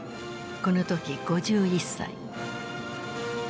この時５１歳。